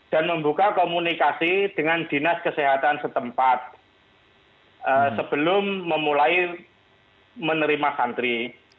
dan membuka komunikasi dengan dinas kesehatan setempat sebelum memulai menerima santri